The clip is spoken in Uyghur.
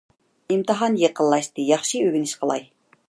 ئىمتىھان يېقىنلاشتى. ياخشى ئۆگىنىش قىلاي